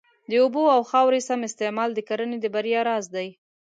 د اوبو او خاورې سم استعمال د کرنې د بریا راز دی.